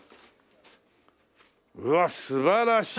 うわっ素晴らしい。